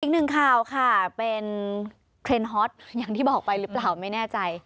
อีกหนึ่งข่าวค่ะเป็นเทรนด์ฮอตอย่างที่บอกไปหรือเปล่าไม่แน่ใจ